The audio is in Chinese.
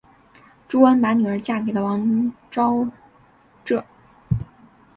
朱温把女儿嫁给了王昭祚。